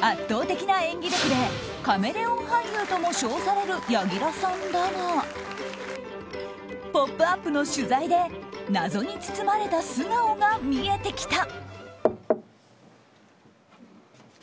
圧倒的な演技力でカメレオン俳優とも称される柳楽さんだが「ポップＵＰ！」の取材で謎に包まれた素顔が見えてきた。